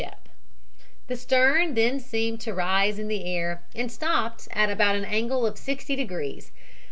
} "The stern then seemed to rise in the air and stopped at about an angle of 60 degrees.